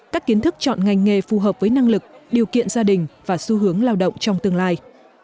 các kiến thức chọn ngành nghề phù hợp với năng lực điều kiện gia đình và xu hướng lao động trong tương lai